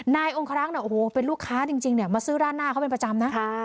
นายองค์คลักเป็นลูกค้าจริงมาซื้อราดหน้าเขาเป็นประจำนะ